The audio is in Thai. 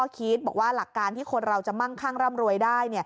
พระพยอมท่านก็ให้ข้อคิดบอกว่าหลักการที่คนเราจะมั่งข้างร่ำรวยได้